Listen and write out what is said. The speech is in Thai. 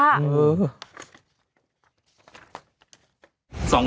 นั่นเองค่ะ